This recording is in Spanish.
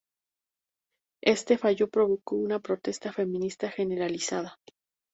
Este fallo provocó una protesta feminista generalizada.